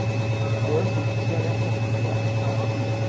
Ur asent-ttarraɣ tafenda.